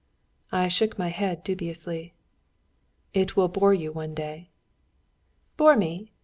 _, "My darling."] I shook my head dubiously. "It will bore you one day." "Bore me!